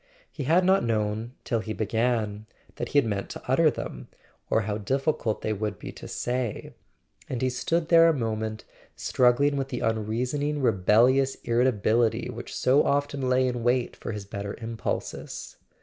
He had not known, till he began, that he had meant to utter them, or how difficult they would be to say; and he stood there a moment strug¬ gling with the unreasoning rebellious irritability which so often lay in wait for his better impulses.